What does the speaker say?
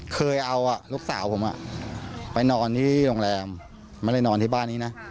เคยเอาลูกสาวผมไปนอนที่โรงแรมไม่ได้นอนที่บ้านนี้นะ